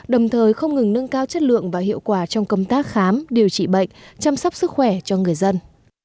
đồng thời không ngừng nâng cao chất lượng và hiệu quả trong công tác khám điều trị bệnh chăm sóc sức khỏe cho người dân